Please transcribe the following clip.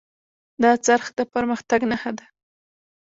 دا څرخ د پرمختګ نښه ده.